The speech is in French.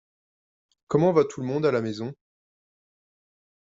Comment va tout le monde à la maison ?